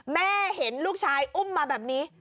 แม่เห็นลูกชายอุ้มมาแบบนี้